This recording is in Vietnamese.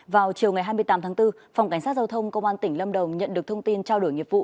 vào chiều ngày hai mươi tám tháng bốn phòng cảnh sát giao thông công an tỉnh lâm đồng nhận được thông tin trao đổi nghiệp vụ